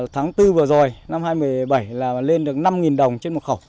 tháng bốn vừa rồi năm hai nghìn một mươi bảy là lên được năm đồng trên một khẩu